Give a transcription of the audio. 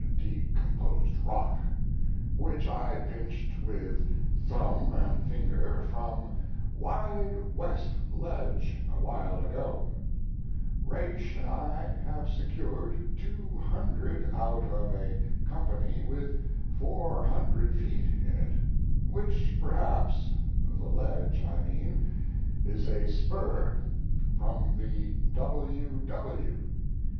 (decomposed rock) which I pinched with thumb and finger from Wide West ledge a while ago. Raish and I have secured 200 out of a company with 400 ft. in it, which perhaps (the ledge, I mean) is a spur from the W.